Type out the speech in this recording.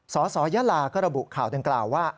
สสยาลาก็ระบุข่าวดังกล่าวว่า